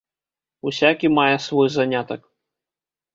Усякі мае свой занятак.